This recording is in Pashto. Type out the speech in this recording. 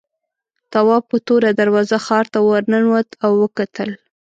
تواب په توره دروازه ښار ته ورننوت او وکتل.